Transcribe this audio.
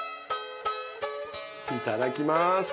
いただきます。